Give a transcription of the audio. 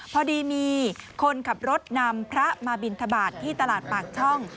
พอดีมีคนขับรถนำพระมาบินทบาทที่ตลาดปากช่อง